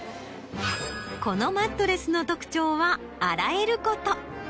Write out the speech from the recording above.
このマットレスの特徴は洗えること。